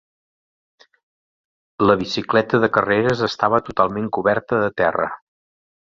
La bicicleta de carreres estava totalment coberta de terra.